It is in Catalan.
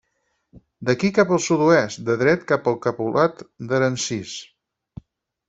D'aquí, cap al sud-oest, de dret cap al Capolat d'Aransís.